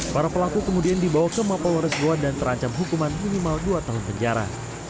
para pelaku kemudian dibawa ke mapolores goa dan terancam hukuman minimal dua tahun penjara